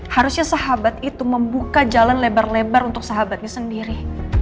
harusnya sahabat itu membuka jalan lebar lebar untuk sahabatnya sendiri